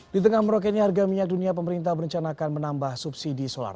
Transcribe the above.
di tengah meroketnya harga minyak dunia pemerintah berencana akan menambah subsidi solar